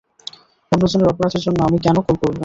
অন্যজনের অপরাধের জন্য আমি কেন কল করব?